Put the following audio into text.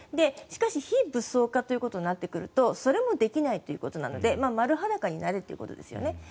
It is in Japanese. しかし非武装化ということになってくるとそれもできないということなので丸裸になるということですよね。